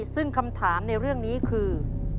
ซึ่งคำถามในเรื่องนี้คือ